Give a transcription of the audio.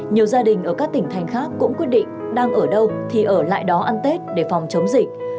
nhiều gia đình ở các tỉnh thành khác cũng quyết định đang ở đâu thì ở lại đó ăn tết để phòng chống dịch